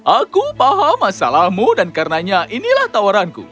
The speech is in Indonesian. aku paham masalahmu dan karenanya inilah tawaranku